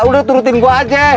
udah turutin gua aja